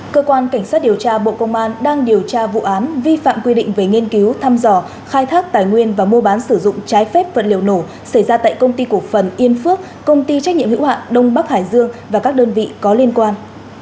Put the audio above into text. cơ quan cảnh sát điều tra bộ công an đang điều tra vụ án vi phạm quy định về nghiên cứu thăm dò khai thác tài nguyên và mua bán sử dụng trái phép vật liệu nổ xảy ra tại công ty cổ phần yên phước công ty trách nhiệm hữu hạn đông bắc hải dương và các đơn vị có liên quan